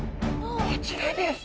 こちらです。